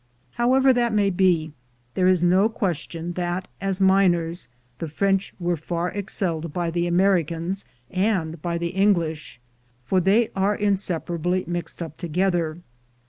However that may be, there is no question that, as miners, the French were far excelled by the Americans and by the English — for they are in separably mixed up together.